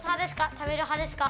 食べるはですか？